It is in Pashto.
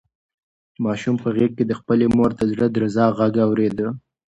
ماشوم په غېږ کې د خپلې مور د زړه د درزا غږ اورېده.